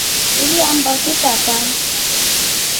Uliambaki tata?